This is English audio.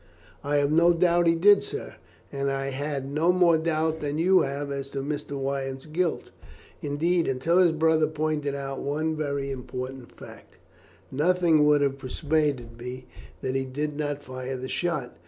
"I have no doubt he did, sir, and I had no more doubt than you have as to Mr. Wyatt's guilt; indeed, until his brother pointed out one very important fact, nothing would have persuaded me that he did not fire the shot.